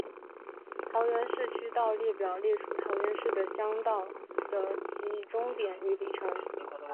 桃园市区道列表列出桃园市的乡道的起终点与里程。